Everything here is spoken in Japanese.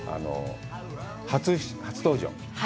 初登場。